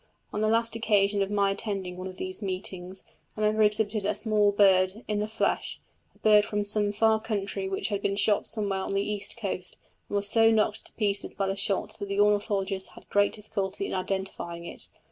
On the last occasion of my attending one of these meetings a member exhibited a small bird "in the flesh" a bird from some far country which had been shot somewhere on the east coast and was so knocked to pieces by the shot that the ornithologists had great difficulty in identifying it.